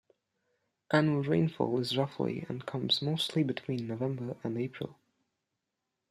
Annual rainfall is roughly and comes mostly between November and April.